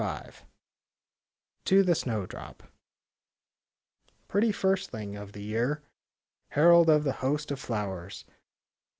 10 TO THE SNOWDROP Pretty firstling of the year! Herald of the host of flowers!